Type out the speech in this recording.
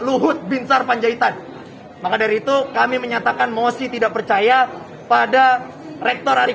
luhut binsar panjaitan maka dari itu kami menyatakan mosi tidak percaya pada rektor ari